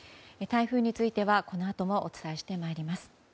台風についてはこのあともお伝えします。